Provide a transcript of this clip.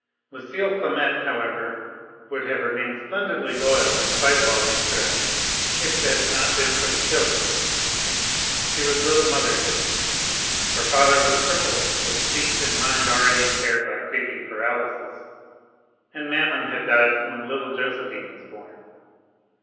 Lucile Clamette, however, would have remained splendidly loyal in spite of all these threats, if it had not been for the children. She was little mother to them; for father was a cripple, with speech and mind already impaired by creeping paralysis, and maman had died when little Josephine was born.